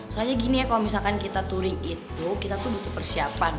soalnya gini ya kalau misalkan kita touring itu kita tuh butuh persiapan